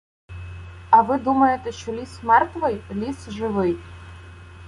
— А ви думаєте, що ліс мертвий? Ліс живий.